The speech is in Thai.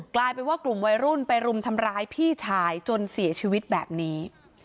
กลายเป็นว่ากลุ่มวัยรุ่นไปรุมทำร้ายพี่ชายจนเสียชีวิตแบบนี้